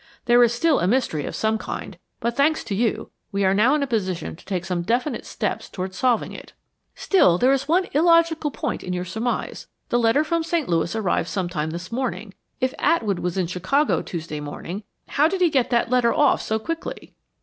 There is still a mystery of some kind, but thanks to you, we are now in a position to take some definite steps toward solving it." "Still, there is one illogical point in your surmise. The letter from St. Louis arrived sometime this morning. If Atwood was in Chicago Tuesday morning, how did he get that letter off, so quickly?"